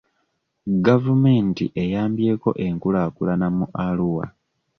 Gavumenti eyambyeko enkulaakulana mu Arua.